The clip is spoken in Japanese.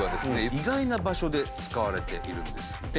意外な場所で使われているんですって。